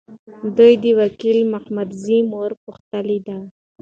دوی د وکیل محمدزي مور پوښتلي ده.